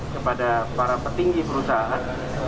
kepada para petinggi perusahaan